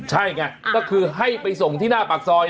ใช่ไงก็คือให้ไปส่งที่หน้าปากซอย